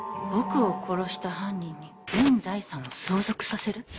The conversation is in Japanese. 「僕を殺した犯人に全財産を相続させる？」